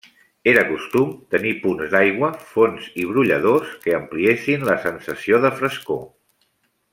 Era costum tenir punts d'aigua, fonts i brolladors que ampliessin la sensació de frescor.